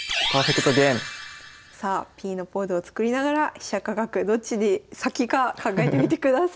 さあＰのポーズを作りながら飛車か角どっちに先か考えてみてください。